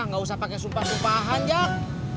enggak usah pake sumpah sumpahan jak